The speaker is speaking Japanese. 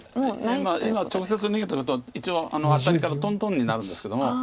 今直接逃げてることは一応アタリからとんとんになるんですけども。